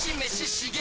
刺激！